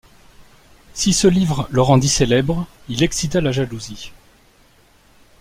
Si ce livre le rendit célèbre, il excita la jalousie.